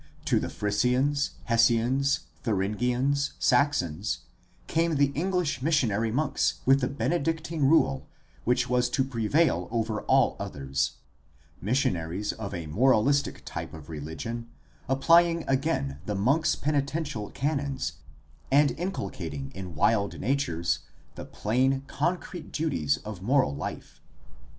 To the Frisians, Hessians, Thuringians, Saxons, came the English missionary monks with the Benedictine rule which was to prevail over all others — missionaries of a moralistic type of religion applying again the monk's penitential canons and inculcating in wild natures the plain, concrete duties of moral life.